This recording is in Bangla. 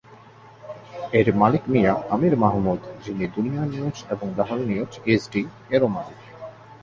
এর মালিক মিয়া আমির মাহমুদ, যিনি দুনিয়া নিউজ এবং লাহোর নিউজ এইচডি এরও মালিক।